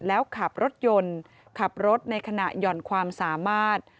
แล้วขับรถยนต์ขับรถในขณะหย่อนความสามารถ